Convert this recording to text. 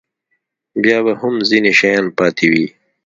بیا به هم ځینې شیان پاتې وي.